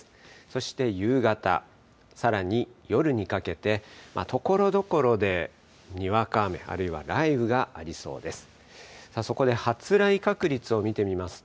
そして夕方、さらに夜にかけて、ところどころでにわか雨、あるいは雷雨がありそうです。